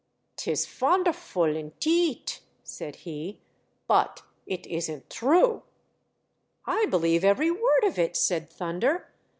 " 'Tis fonderful, inteet," said he, "but it isn't true." "I believe every word of it," said Thunder.